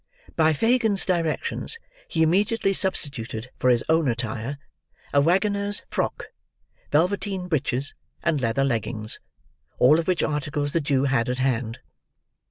By Fagin's directions, he immediately substituted for his own attire, a waggoner's frock, velveteen breeches, and leather leggings: all of which articles the Jew had at hand.